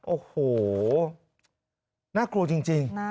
โอ้โหน่ากลัวจริง